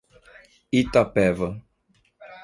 Itapeva